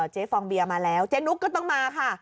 ฟองเบียมาแล้วเจ๊นุ๊กก็ต้องมาค่ะ